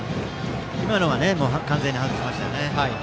今のは完全に外しました。